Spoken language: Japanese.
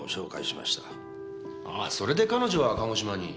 ああそれで彼女は鹿児島に。